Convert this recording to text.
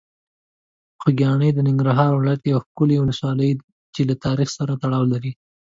خوږیاڼي د ننګرهار ولایت یوه ښکلي ولسوالۍ ده چې له تاریخ سره تړاو لري.